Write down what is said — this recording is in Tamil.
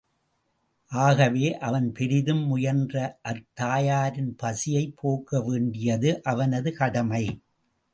ஆகவே அவன் பெரிதும் முயன்று அத் தாயாரின் பசியைப் போக்கவேண்டியது அவனது கடமை.